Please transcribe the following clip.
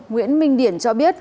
nguyễn minh điển cho biết